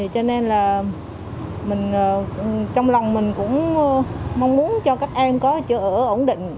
cho nên là mình trong lòng mình cũng mong muốn cho các em có chỗ ở ổn định